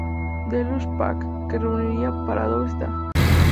Deluxe Pack" que reunía "Parodius Da!